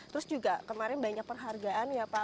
terus juga kemarin banyak penghargaan ya pak